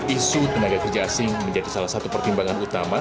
isu tenaga kerja asing menjadi salah satu pertimbangan utama